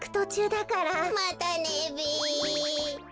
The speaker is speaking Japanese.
またねべ。